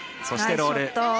そして、ロール。